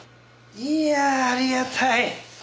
いやあありがたい。